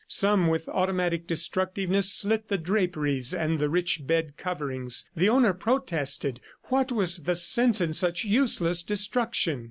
Some, with automatic destructiveness, slit the draperies and the rich bed coverings. The owner protested; what was the sense in such useless destruction?